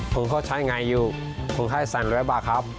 คือเขาใช้งานอยู่คือให้๓๐๐บาทครับ